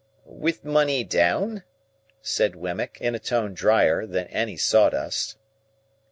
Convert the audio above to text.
"With money down?" said Wemmick, in a tone drier than any sawdust.